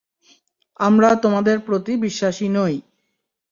আমরা তোমাদের প্রতি বিশ্বাসী নই।